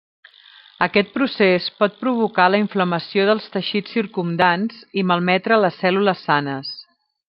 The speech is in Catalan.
Aquest procés pot provocar la inflamació dels teixits circumdants i malmetre les cèl·lules sanes.